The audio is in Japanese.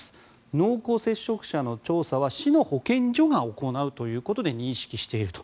濃厚接触者の調査は市の保健所が行うということで認識していると。